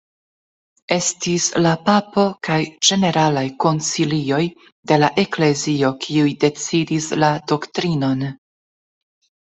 Estis la papo kaj ĝeneralaj koncilioj de la eklezio kiuj decidis la doktrinon.